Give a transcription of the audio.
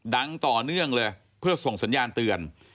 ดังต่อเนื่องเลยเพื่อส่งสัญญาณเตือน